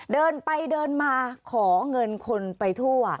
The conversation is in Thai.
เดินไปเดินมาขอเงินคนไปทั่ว